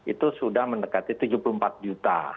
itu sudah mendekati tujuh puluh empat juta